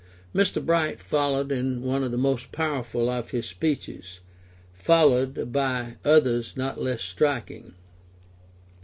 Mr. Bright followed in one of the most powerful of his speeches, followed by others not less striking.